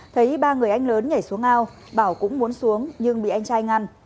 thấy ba người anh lớn nhảy xuống ao bảo cũng muốn xuống nhưng bị anh trai ngăn